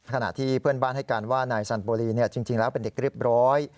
ขณะที่เพื่อนบ้านให้การว่านายสันโบรีจริงแล้วเป็นเด็กเรียบร้อย